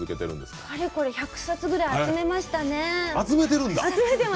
かれこれ１００冊ぐらい集めましたね。